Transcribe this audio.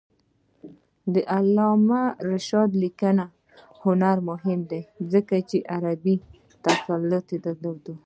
د علامه رشاد لیکنی هنر مهم دی ځکه چې عربي تسلط لري.